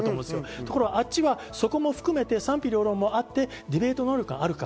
ところがあっちはそこも含めて賛否両論あって、ディベート能力があるか。